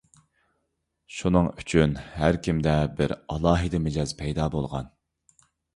شۇنىڭ ئۈچۈن ھەر كىمدە بىر ئالاھىدە مىجەز پەيدا بولغان.